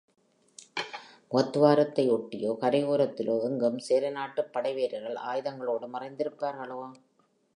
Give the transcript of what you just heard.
முகத்துவாரத்தை ஒட்டியோ, கரை ஓரத்திலோ எங்கும் சேரநாட்டுப் படைவீரர்கள் ஆயுதங்களோடு மறைந்திருப்பார்களோ?